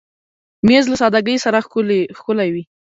مېز له سادګۍ سره ښکلی وي.